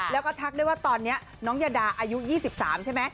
แล้วก็ทักได้ว่าตอนนี้น้องยาดาอายุ๒๓ใช่ไหม